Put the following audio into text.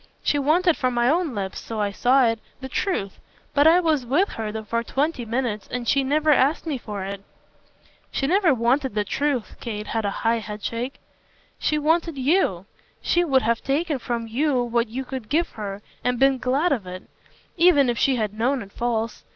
She wanted from my own lips so I saw it the truth. But I was with her for twenty minutes, and she never asked me for it." "She never wanted the truth" Kate had a high headshake. "She wanted YOU. She would have taken from you what you could give her and been glad of it, even if she had known it false.